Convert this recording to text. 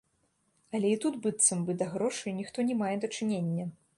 Але і тут, быццам бы, да грошай ніхто не мае дачынення.